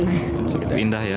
cukup indah ya